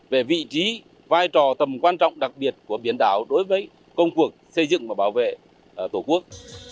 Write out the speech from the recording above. về vị trí vai trò tầm quan trọng đặc biệt của biển đảo đối với công cuộc xây dựng và bảo vệ tổ quốc